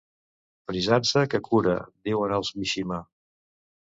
Frisança que cura, diuen els Mishima.